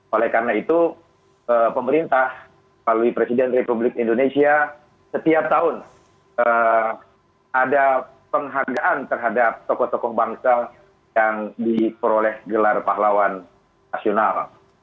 oleh karena itu pemerintah melalui presiden republik indonesia setiap tahun ada penghargaan terhadap tokoh tokoh bangsa yang diperoleh gelar pahlawan nasional